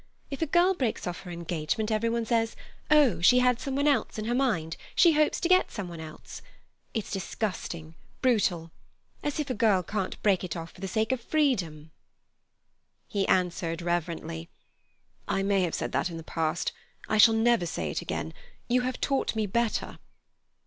If a girl breaks off her engagement, everyone says: 'Oh, she had someone else in her mind; she hopes to get someone else.' It's disgusting, brutal! As if a girl can't break it off for the sake of freedom." He answered reverently: "I may have said that in the past. I shall never say it again. You have taught me better."